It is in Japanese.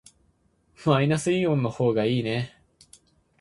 マイナスイオンの方がいいね。